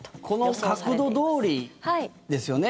この角度どおりですよね。